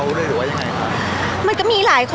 พี่ตอบได้แค่นี้จริงค่ะ